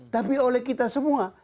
tapi oleh kita semua